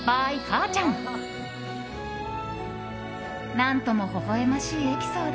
何ともほほ笑ましいエピソード。